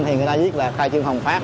thì người ta viết là khai trương hùng phát